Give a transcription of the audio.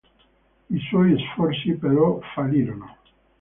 I suoi sforzi, però, fallirono.